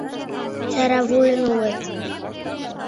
Чаравуйын улыт.